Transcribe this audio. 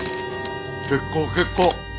結構結構。